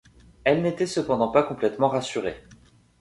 Elle n’était cependant pas complètement rassurée.